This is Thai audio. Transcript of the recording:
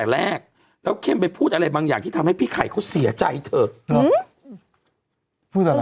แรกแล้วเข้มไปพูดอะไรบางอย่างที่ทำให้พี่ไข่เขาเสียใจเถอะ